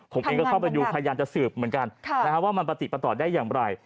ผมเองก็เข้าไปดูพยายามจะสืบเหมือนกันว่ามันพาติติปราศน์ได้แหล่งไหร่